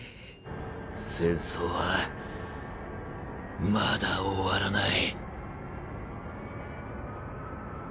戦争はまだ終わらない。